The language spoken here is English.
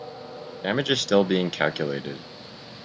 Damage is still being calculated.